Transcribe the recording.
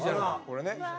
これね。